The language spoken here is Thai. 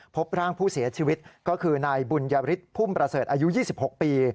พบร่างผู้เสียชีวิตก็คือนายบุญยฤทธิพุ่มประเสริฐอายุ๒๖ปี